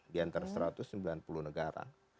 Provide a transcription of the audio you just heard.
di antara satu ratus sembilan puluh negara